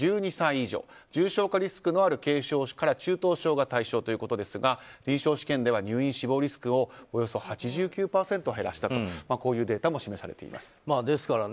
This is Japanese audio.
１２歳以上重症化リスクのある人から軽症者から中等症が対象ですが臨床試験では入院・死亡リスクをおよそ８９％減らしたというデータも示されています。